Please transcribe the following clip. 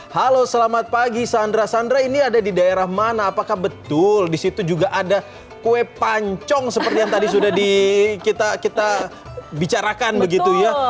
halo selamat pagi sandra sandra ini ada di daerah mana apakah betul disitu juga ada kue pancong seperti yang tadi sudah kita bicarakan begitu ya